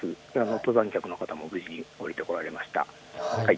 登山客の方も無事に降りてこられました。